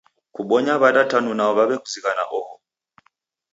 Kubonya w'ada tanu nao waw'ekuzinghana oho?